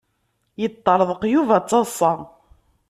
Yeṭṭeṛḍeq Yuba d taḍsa.